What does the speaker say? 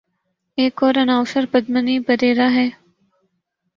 ایک اور اناؤنسر پدمنی پریرا ہیں۔